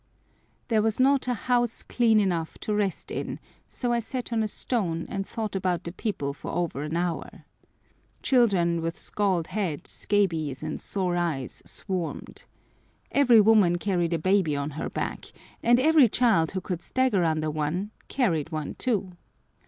There was not a house clean enough to rest in, so I sat on a stone and thought about the people for over an hour. Children with scald head, scabies, and sore eyes swarmed. Every woman carried a baby on her back, and every child who could stagger under one carried one too.